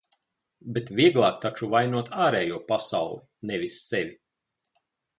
Bet vieglāk taču vainot ārējo pasauli, nevis sevi.